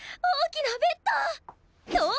大きなベッド！